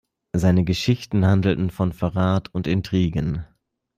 Seine Geschichten handelten von Verrat und Intrigen.